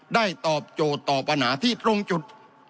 ตอบโจทย์ต่อปัญหาที่ตรงจุด